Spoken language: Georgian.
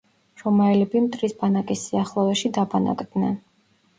რომაელები მტრის ბანაკის სიახლოვეში დაბანაკდნენ.